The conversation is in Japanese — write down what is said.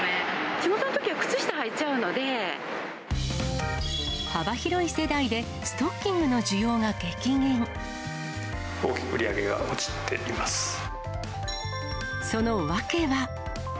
仕事のときは靴下履いちゃう幅広い世代で、ストッキング大きく売り上げが落ちていまその訳は。